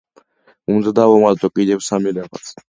უნდა დავამატო კიდევ სამი რაღაც.